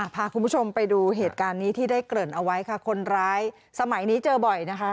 พาคุณผู้ชมไปดูเหตุการณ์นี้ที่ได้เกริ่นเอาไว้ค่ะคนร้ายสมัยนี้เจอบ่อยนะคะ